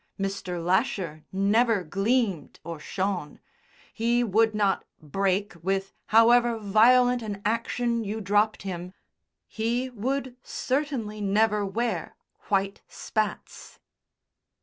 Mr. Lasher never gleamed or shone, he would not break with however violent an action you dropped him, he would certainly never wear white spats.